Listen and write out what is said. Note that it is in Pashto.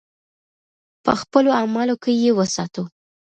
په خپلو اعمالو کې یې وساتو.